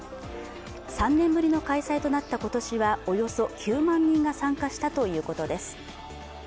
３年ぶりの開催となった今年はおよそ９万人が参加したということです。